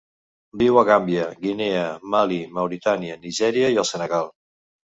Viu a Gàmbia, Guinea, Mali, Mauritània, Nigèria i el Senegal.